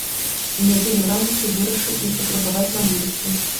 У нядзелю раніцай вырашыў іх апрабаваць на вуліцы.